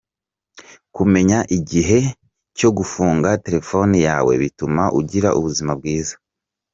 Kumenya igihe cyo gufunga telefoni yawe bituma ugira ubuzima bwiza.